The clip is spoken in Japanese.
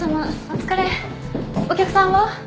お客さんは？